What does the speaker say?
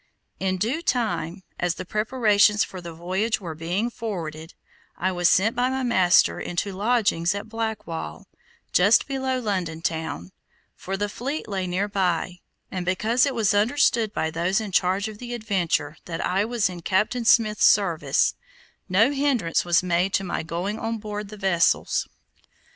In due time, as the preparations for the voyage were being forwarded, I was sent by my master into lodgings at Blackwall, just below London town, for the fleet lay nearby, and because it was understood by those in charge of the adventure that I was in Captain Smith's service, no hindrance was made to my going on board the vessels.